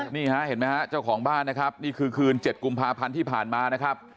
เนี้ยฮะเห็นมั้ยฮะเจ้าของบ้านนะครับนี่คือคืนเจ็ดกุลมพาผันธรรมที่ผ่านมานะครับ